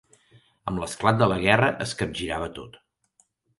Amb l'esclat de la guerra es capgirava tot.